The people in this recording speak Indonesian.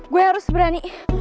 gue harus berani